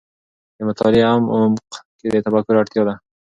د مطالعې عمق کې د تفکر اړتیا ده.